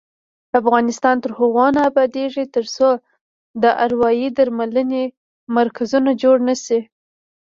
افغانستان تر هغو نه ابادیږي، ترڅو د اروايي درملنې مرکزونه جوړ نشي.